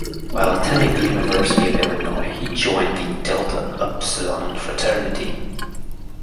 While attending the University of Illinois he joined the Delta Upsilon fraternity.